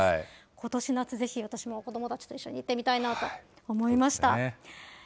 ことし夏、ぜひ私も子どもたちと一緒に行ってみたいなと思いました。